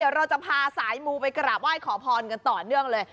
เดี๋ยวเราจะพาสายมูไปกราบไหว้ขอพรกันต่อเนื่องเลย